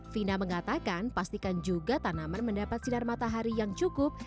fina mengatakan pastikan juga tanaman mendapat sinar matahari yang cukup